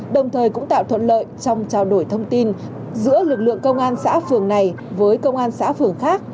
đồng thời cũng tạo thuận lợi trong trao đổi thông tin giữa lực lượng công an xã phường này với công an xã phường khác